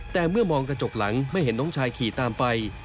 แต่เมื่อมองกระจกหลังไม่เห็นน้องชายขี่ตามไป